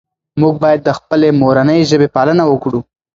موږ باید د خپلې مورنۍ ژبې پالنه وکړو.